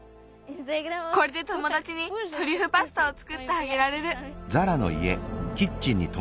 これでともだちにトリュフパスタをつくってあげられる。